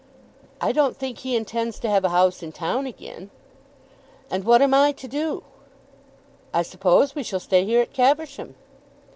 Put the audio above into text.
"I don't think he intends to have a house in town again." "And what am I to do?" "I suppose we shall stay here at Caversham."